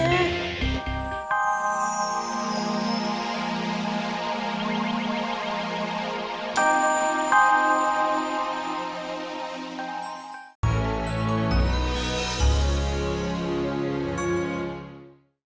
aduh kasian bro